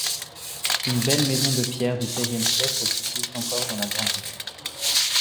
Une belle maison de pierre du seizième siècle subsiste encore dans la Grand’Rue.